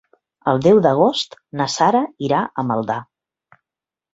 El deu d'agost na Sara irà a Maldà.